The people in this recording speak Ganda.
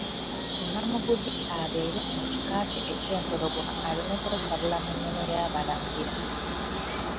Nnamuguzi abeere mu kika kye eky'Empologoma aleme kwetabula mu nnono y'abalangira.